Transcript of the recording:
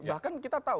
bahkan kita tahu